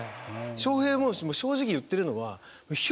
翔平も正直言ってるのは。